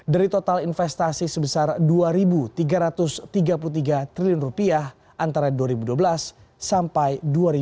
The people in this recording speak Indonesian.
dari total investasi sebesar rp dua tiga ratus tiga puluh tiga triliun antara dua ribu dua belas sampai dua ribu dua puluh